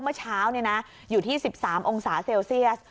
เมื่อเช้าเนี่ยน่ะอยู่ที่สิบสามองศาเซลเซียส